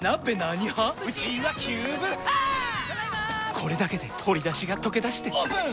これだけで鶏だしがとけだしてオープン！